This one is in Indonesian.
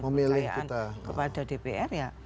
kepercayaan kepada dpr ya